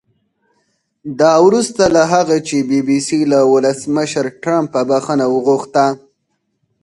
دا وروسته له هغه چې بي بي سي له ولسمشر ټرمپه بښنه وغوښته